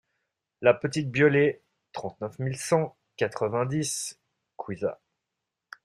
La Petite Biolée, trente-neuf mille cent quatre-vingt-dix Cuisia